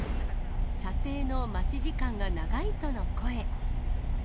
査定の待ち時間が長いとの声。